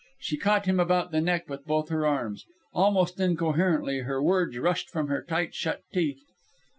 She caught him about the neck with both her arms. Almost incoherently her words rushed from her tight shut teeth.